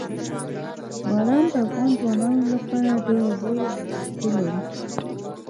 بادام د افغان ځوانانو لپاره ډېره لویه دلچسپي لري.